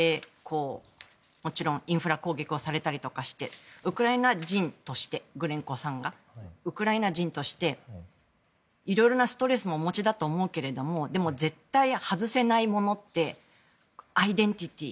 もちろんインフラ攻撃をされたりとかしてウクライナ人としてグレンコさんがいろいろなストレスもお持ちだと思うけれどもでも絶対に外せないものってアイデンティティー。